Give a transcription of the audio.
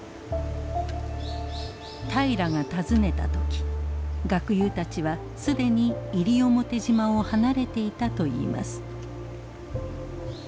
平良が訪ねた時学友たちはすでに西表島を離れていたといいます。